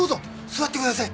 座ってください。